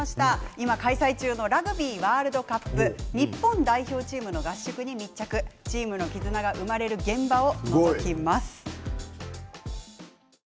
今開催中のラグビーワールドカップ日本代表チームの合宿に密着チームの絆が生まれる現場をのぞきます。